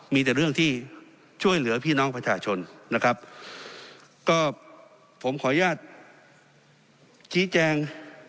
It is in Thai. มีแต่เรื่องที่ช่วยเหลือพี่น้องประชาชนนะครับก็ผมขออนุญาตชี้แจง